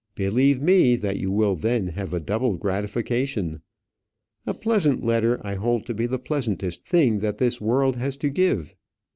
Believe me that you will then have a double gratification. A pleasant letter I hold to be the pleasantest thing that this world has to give.